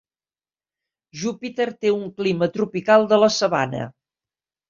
Júpiter té un clima tropical de la sabana.